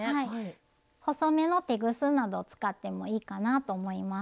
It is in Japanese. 細めのテグスなどを使ってもいいかなと思います。